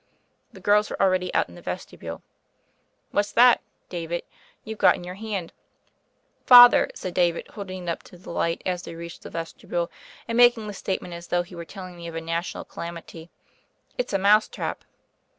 The girh were already out in the vestibule. "What's that, David, you've got in your hand?" "Father,'* said David, holding it up to the light as we reached the vestibule, and making the statement as though he were telling me of a national calamity, "it's a mouse trap."